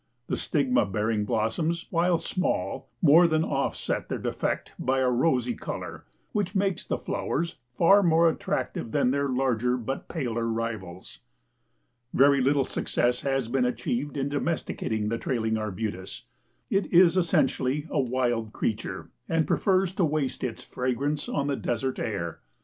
The stigma bearing blossoms, while small, more than offset their defect by a rosy color which makes the flowers far more attractive than their larger but paler rivals. Very little success has been achieved in domesticating the Trailing Arbutus. It is essentially a wild creature and prefers to waste its fragrance on the desert air.